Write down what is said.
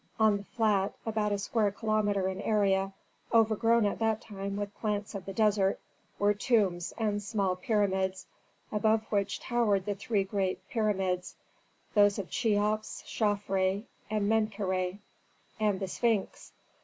On the flat, about a square kilometre in area, overgrown at that time with plants of the desert, were tombs and small pyramids, above which towered the three great pyramids: those of Cheops, Chafre, and Menkere, and the Sphinx.